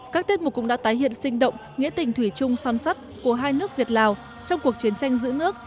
các tiết mục cũng đã tái hiện sinh động nghĩa tình thủy chung son sắt của hai nước việt lào trong cuộc chiến tranh giữ nước